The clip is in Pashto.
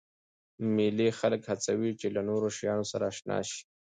مېلې خلک هڅوي، چي له نوو شیانو سره اشنا سي.